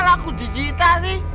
masa apa aku dijita sih